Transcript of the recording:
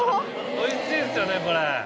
おいしいですよねこれ。